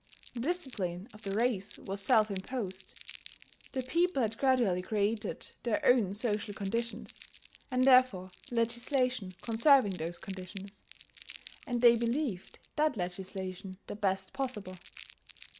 The discipline of the race was self imposed. The people had gradually created their own social conditions, and therefore the legislation conserving those conditions; and they believed that legislation the best possible.